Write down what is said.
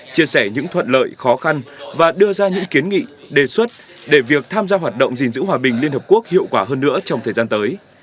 chia sẻ những thuận lợi khó khăn và đưa ra những kiến nghị đề xuất để việc tham gia hoạt động gìn giữ hòa bình liên hợp quốc hiệu quả hơn nữa trong thời gian tới